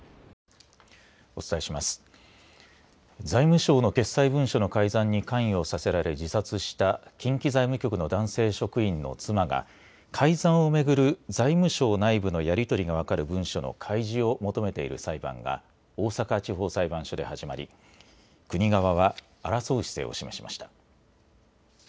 財務省の決裁文書の改ざんに関与させられ自殺した、近畿財務局の男性職員の妻が、改ざんを巡る財務省内部のやり取りが分かる文書の開示を求めている裁判が、大阪地方裁判所で始まり、国側は争う姿勢を示しました。